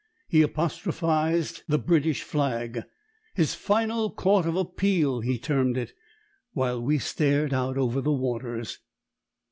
He apostrophised the British Flag his final Court of Appeal, he termed it while we stared out over the waters.